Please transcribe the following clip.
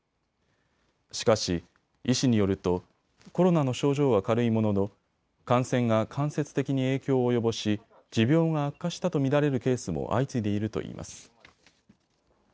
しかし、医師によるとコロナの症状は軽いものの感染が間接的に影響を及ぼし持病が悪化したと見られるケースも相次いでいるといいます。